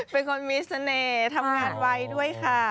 เป็นคนมีเสน่ห์ทำงานไว้ด้วยค่ะ